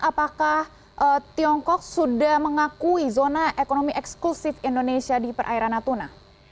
apakah tiongkok sudah mengakui zona ekonomi eksklusif indonesia di perairan natuna